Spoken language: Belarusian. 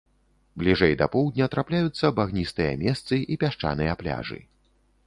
Бліжэй да поўдня трапляюцца багністыя месцы і пясчаныя пляжы.